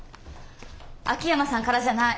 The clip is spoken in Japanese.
秋山さんからじゃない。